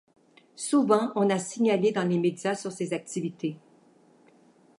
Souvent on a signalé dans les médias sur ses activités.